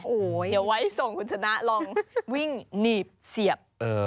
โอ้โหอย่าไว้ส่งคุณชนะลองวิ่งหนีบเสียบ